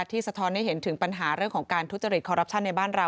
สะท้อนให้เห็นถึงปัญหาเรื่องของการทุจริตคอรัปชั่นในบ้านเรา